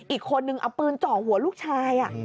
อีกคนนึงเอาปืนเจาะหัวลูกชาย